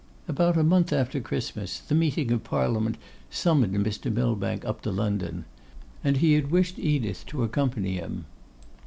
About a month after Christmas, the meeting of Parliament summoned Mr. Millbank up to London; and he had wished Edith to accompany him.